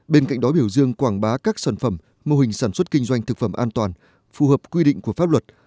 bên cạnh đó biểu dương quảng bá các sản phẩm mô hình sản xuất kinh doanh thực phẩm an toàn phù hợp quy định của pháp luật